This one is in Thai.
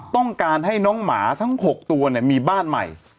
ต้องการให้น้องหมาทั้ง๖ตัวมีบ้านใหม่